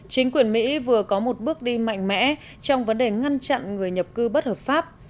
chính quyền mỹ vừa có một bước đi mạnh mẽ trong vấn đề ngăn chặn người nhập cư bất hợp pháp